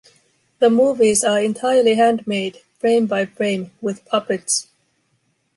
The movies are entirely handmade, frame by frame, with puppets.